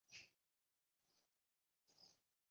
没有适合的房间